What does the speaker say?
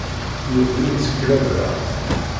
Ur ten-id-sseqrabeɣ.